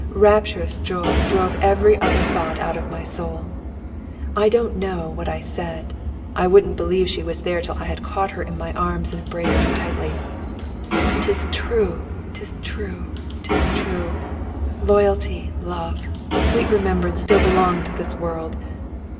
Rapturous joy drove every other thought out of my soul. I don't know what I said. I wouldn't believe she was there till I had caught her in my arms and embraced her tightly. 'Tis true, 'tis true, 'tis true loyalty, love, sweet remembrance still belong to this world!